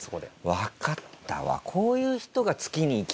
わかったわ。